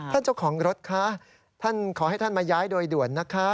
เจ้าของรถคะท่านขอให้ท่านมาย้ายโดยด่วนนะคะ